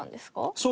そう。